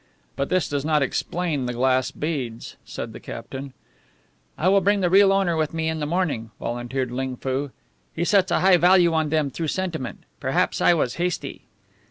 "But this does not explain the glass beads," said the captain. "I will bring the real owner with me in the morning," volunteered Ling Foo. "He sets a high value on them through sentiment. Perhaps I was hasty."